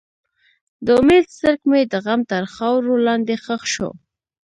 د امید څرک مې د غم تر خاورو لاندې ښخ شو.